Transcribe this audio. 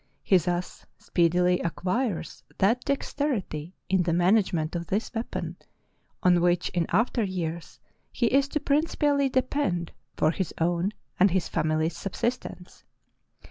He thus speedily ac quires that dexterity in the management of his weapon on which in after years he is to principally depend for his own and his family's subsistence.